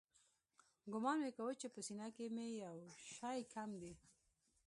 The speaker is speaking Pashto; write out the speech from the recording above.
ګومان مې کاوه چې په سينه کښې مې يو شى کم دى.